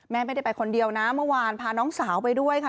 ไม่ได้ไปคนเดียวนะเมื่อวานพาน้องสาวไปด้วยค่ะ